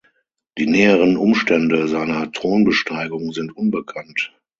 Die näheren Umstände seiner Thronbesteigung sind unbekannt.